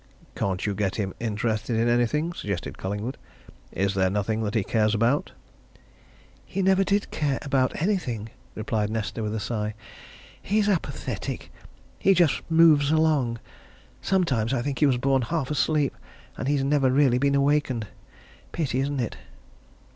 "Can't you get him interested in anything?" suggested Collingwood. "Is there nothing that he cares about?" "He never did care about anything," replied Nesta with a sigh. "He's apathetic! He just moves along. Sometimes I think he was born half asleep, and he's never been really awakened. Pity, isn't it?"